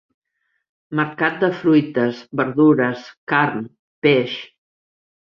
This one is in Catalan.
Mercat de fruites, verdures, carn, peix.